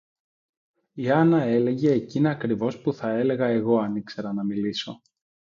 Η Άννα έλεγε εκείνα ακριβώς που θα έλεγα εγώ, αν ήξερα να μιλήσω